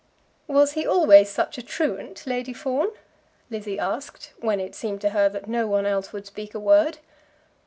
"Was he always such a truant, Lady Fawn?" Lizzie asked, when it seemed to her that no one else would speak a word.